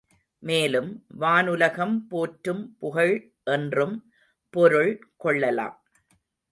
மேலும், வானுலகம் போற்றும் புகழ் என்றும் பொருள் கொள்ளலாம்.